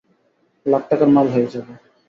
লাখ টাকার মাল হয়ে যাবে।